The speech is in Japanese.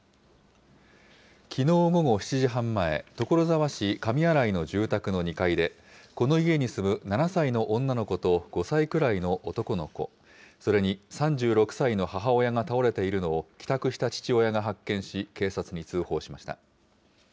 きのう午後７時半前、所沢市上新井の住宅の２階で、この家に住む７歳の女の子と５歳くらいの男の子、それに３６歳の母親が倒れているのを、帰宅した父親が発見し、警察に通報しました。